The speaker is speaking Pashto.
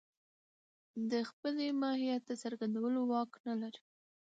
د خپل ماهيت د څرګندولو واک نه لري.